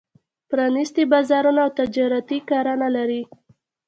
پرانېستي بازارونه او تجارتي کرنه لري.